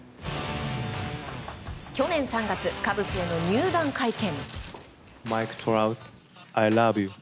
去年３月、カブスへの入団会見。